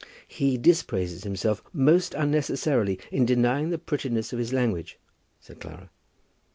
"He dispraises himself most unnecessarily in denying the prettiness of his language," said Clara.